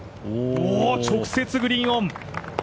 直接グリーンオン！